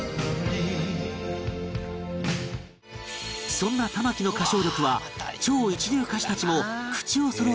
そんな玉置の歌唱力は超一流歌手たちも口をそろえて絶賛！